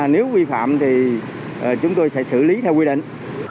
nếu vi phạm thì chúng tôi sẽ xử lý theo quy định